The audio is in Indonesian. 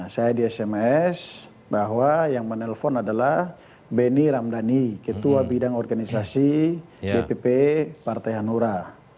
saya di sms bahwa yang menelpon adalah benny ramdhani ketua bidang organisasi dpp partai hanura